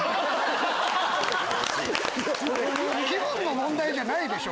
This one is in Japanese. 気分の問題じゃないでしょ！